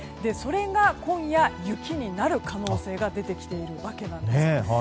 それが今夜、雪になる可能性が出てきているわけなんです。